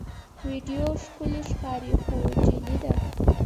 ویډیو ښکلي ښکاري خو جعلي ده.